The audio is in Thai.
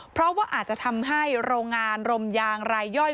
เพราะว่าอาจจะทำให้โรงงานรมยางรายย่อย